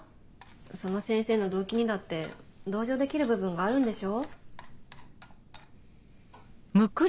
その先生の動機にだって同情できる部分があるんでしょ？